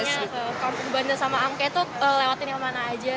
masih nanya nanya ke kampung bandar sama amke itu lewatin yang mana aja